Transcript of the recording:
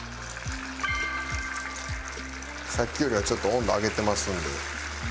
さっきよりはちょっと温度上げてますんで。